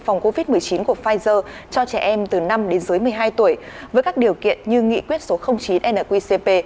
phòng covid một mươi chín của pfizer cho trẻ em từ năm đến dưới một mươi hai tuổi với các điều kiện như nghị quyết số chín nqcp